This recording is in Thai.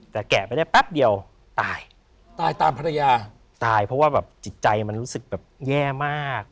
แต่แกะไปได้แป๊บเดียวตายตายตามภรรยาตายเพราะว่าแบบจิตใจมันรู้สึกแบบแย่มาก